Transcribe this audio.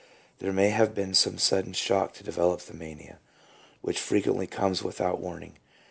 5 There may have been some sudden shock to develop the mania, which frequently comes without warning.